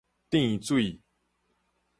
殿水